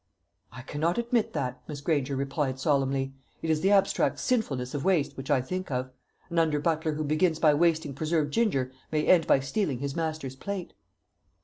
"I cannot admit that," Miss Granger replied solemnly. "It is the abstract sinfulness of waste which I think of. An under butler who begins by wasting preserved ginger may end by stealing his master's plate."